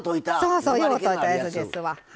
そうそうよう溶いたやつですわ。